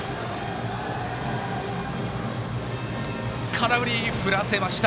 空振り、振らせました！